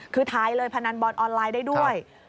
คือทายเลยพนันบอลออนไลน์ได้ด้วย